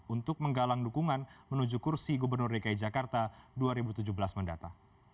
untuk menggalang dukungan menuju kursi gubernur dki jakarta dua ribu tujuh belas mendata